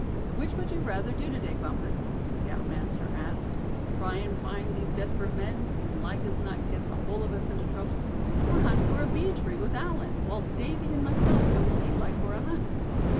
"Which would you rather do to day, Bumpus," the scoutmaster asked; "try and find these desperate men, and like as not get the whole of us into trouble; or hunt for a bee tree with Allan; while Davy and myself go with Eli for a hunt?"